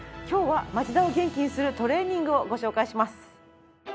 今日は町田を元気にするトレーニングをご紹介します。